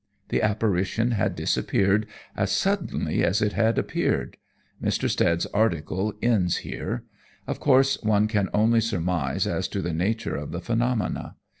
The apparition had disappeared as suddenly as it had appeared. Mr. Stead's article ends here. Of course, one can only surmise as to the nature of the phenomena.